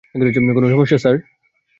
কোন সমস্যা, স্যার?